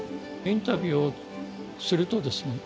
インタビューをするとですね